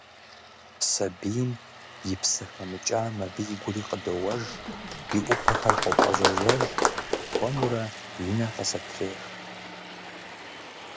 Сабийм и псэ хэмыкӏам абы игури къыдоуэж, и ӏупэхэр къопӏэжьэжьэж, хуэмурэ и нэр къызэтрех…